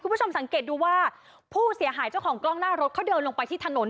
คุณผู้ชมสังเกตดูว่าผู้เสียหายเจ้าของกล้องหน้ารถเขาเดินลงไปที่ถนน